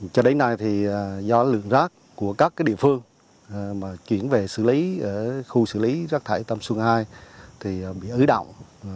cho đến nay thì do lượng rác của các cái địa phương mà chuyển về xử lý ở khu xử lý rác thải tâm xuân hai thì bị ứ động